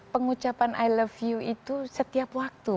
pengucapan i love you itu setiap waktu